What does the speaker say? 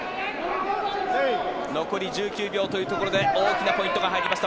残り１９秒というところで大きなポイントが入りました。